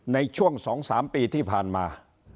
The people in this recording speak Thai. ในช่วงสองสามปีที่ผ่านมา